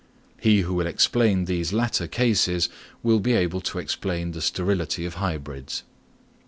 He who will explain these latter cases will be able to explain the sterility of hybrids.